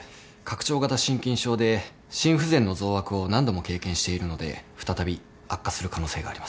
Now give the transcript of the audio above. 拡張型心筋症で心不全の増悪を何度も経験しているので再び悪化する可能性があります。